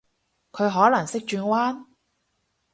佢可能識轉彎？